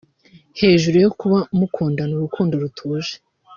Hejuru yo kuba mukundana urukundo rutuje